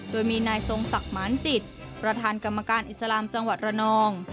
โดยมีนายทรงศักดิ์หมานจิตประธานกรรมการอิสลามจังหวัดระนอง